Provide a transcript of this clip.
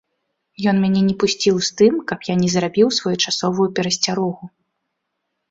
Ён мяне не пусціў з тым, каб я не зрабіў своечасовую перасцярогу.